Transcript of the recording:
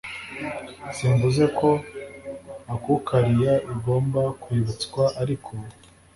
simvuze ko akukaliya igomba kwibutswa. ariko